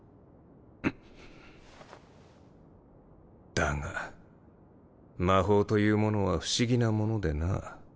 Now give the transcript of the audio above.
だが魔法というものは不思議なものでな。